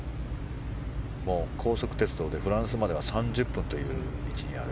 もう高速鉄道でフランスまでは３０分という位置にある。